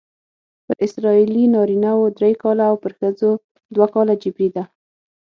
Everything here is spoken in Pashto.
پر اسرائیلي نارینه وو درې کاله او پر ښځو دوه کاله جبری ده.